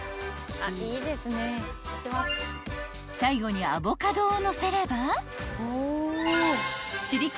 ［最後にアボカドをのせれば］